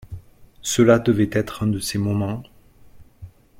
Cela devait être un de ces moments.